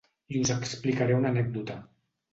I us explicaré una anècdota.